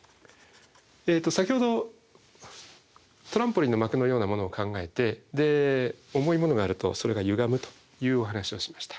先ほどトランポリンの膜のようなものを考えてで重いものがあるとそれがゆがむというお話をしました。